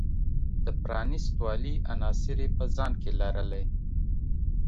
د پرانیست والي عناصر یې په ځان کې لرلی.